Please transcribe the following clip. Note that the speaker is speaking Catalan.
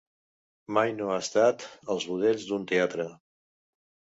Mai no ha estat als budells d'un teatre.